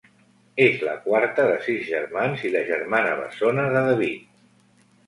És la quarta de sis germans i la germana bessona de David.